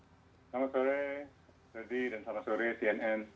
selamat sore redi dan selamat sore tnn